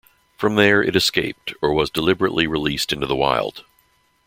From there, it escaped or was deliberately released into the wild.